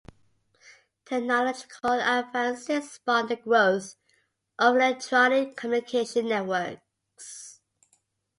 Technological advances spawned the growth of electronic communication networks.